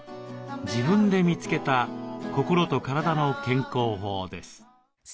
自分で見つけた心と体の健康法です。